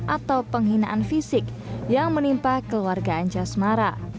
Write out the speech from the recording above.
atau penghinaan fisik yang menimpa keluarga anja smara